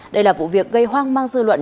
đây là vụ việc gây hoang mang dư luận